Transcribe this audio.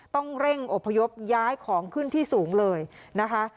ต้องเร่งอบพยพย้ายของขึ้นที่สูงเลยนะคะ